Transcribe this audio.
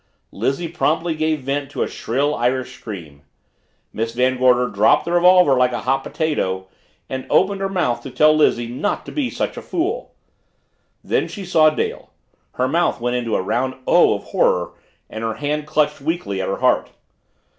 Lizzie promptly gave vent to a shrill Irish scream. Miss Van Gorder dropped the revolver like a hot potato and opened her mouth to tell Lizzie not to be such a fool. Then she saw Dale her mouth went into a round O of horror and her hand clutched weakly at her heart.